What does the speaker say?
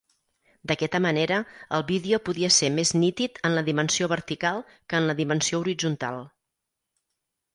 D"aquesta manera, el vídeo podia ser més nítid en la dimensió vertical que en la dimensió horitzontal.